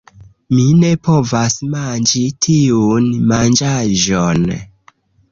Mi ne povas manĝi tiun manĝaĵon.